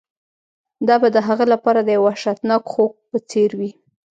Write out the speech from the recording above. دا به د هغه لپاره د یو وحشتناک خوب په څیر وي